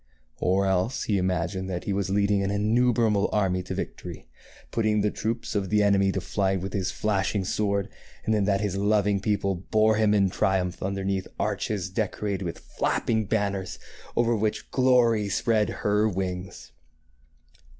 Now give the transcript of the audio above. Or else he imagined that he was leading an innumerable army to victory, putting the troops of the enemy to flight with his flashing sword, and then that his loving people bore him in triumph underneath arches decorated with flapping banners, over which Glory spread her wings.